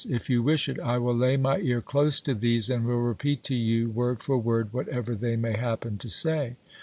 If you wish it, I will lay my ear close to these, and will repeat to you word for word whatever they may happen to say.